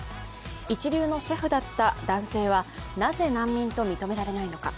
一流のシェフだった男性はなぜ難民と認められないのか。